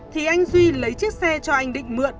thì anh duy lấy chiếc xe cho anh định mượn